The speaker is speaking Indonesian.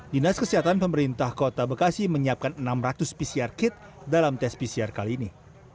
dinas kesehatan pemerintah kota bekasi menyiapkan enam ratus pcr kit dalam tes pcr kali ini